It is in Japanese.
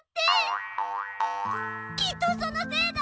きっとそのせいだ。